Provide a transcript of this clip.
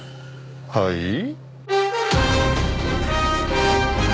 はい？